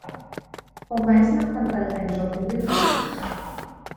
Frau Meißner fand bald einen Job in Winterthur.